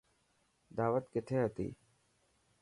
داوت ڪٿي هتي.